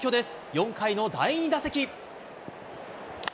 ４回の第２打席。